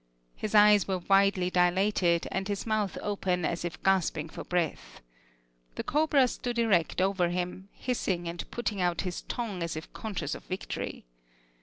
His eyes were widely dilated, and his mouth open as if gasping for breath. The cobra stood erect over him, hissing and putting out his tongue as if conscious of victory.